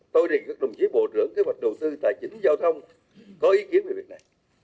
tôi đề nghị các đồng chí bộ trưởng kế hoạch đầu tư tài chính giao thông có ý kiến về việc này